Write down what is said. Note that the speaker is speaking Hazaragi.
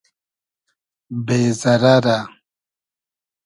بې زئرئرۂ